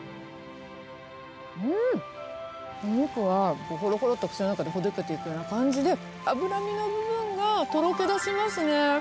うん、お肉はほろほろと、口の中でほどけていくような感じで、脂身の部分がとろけだしますね。